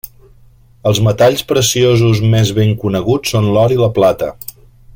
Els metalls preciosos més ben coneguts són l'or i la plata.